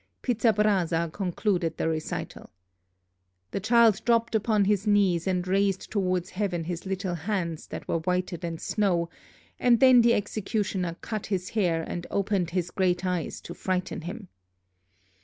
Pizzabrasa concluded the recital: "The child dropped upon his knees, and raised towards heaven his little hands that were whiter than snow, and then the executioner cut his hair and opened his great eyes to frighten him."